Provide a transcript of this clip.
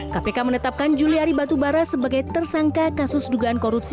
kpk menetapkan juliari batubara sebagai tersangka kasus dugaan korupsi